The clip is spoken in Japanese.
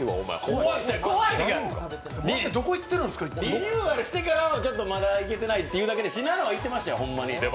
リニューアルしてからは、まだ行けてないっていうだけで、信濃は行ってましたよ、ホントに。